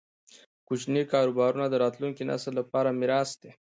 کوچني کاروبارونه د راتلونکي نسل لپاره میراث دی.